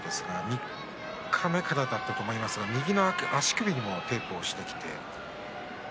三日目からだったと思いますが右の足首にもテープをしています。